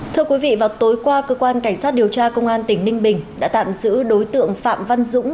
thưa quý vị vào tối qua cơ quan cảnh sát điều tra công an tỉnh ninh bình đã tạm giữ đối tượng phạm văn dũng